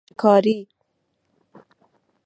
شکاری